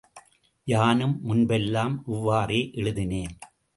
யானும் முன்பெல்லாம் இவ்வாறே எழுதினேன்.